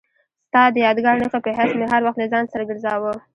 ستا د یادګار نښې په حیث مې هر وخت له ځان سره ګرځاوه.